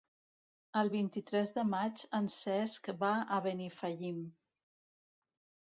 El vint-i-tres de maig en Cesc va a Benifallim.